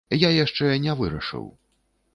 Я яшчэ не вырашыў.